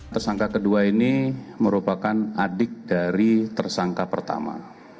tersangka kedua ini merupakan adik dari tersangka pertama